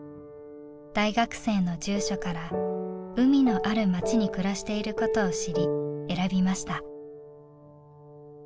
大学生の住所から海のある街に暮らしていることを知り選びました。